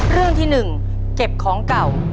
เรื่องที่๑เก็บของเก่า